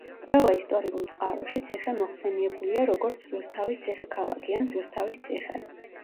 ყველა ისტორიულ წყაროში ციხე მოხსენიებულია, როგორც რუსთავის ციხე-ქალაქი ან რუსთავის ციხე.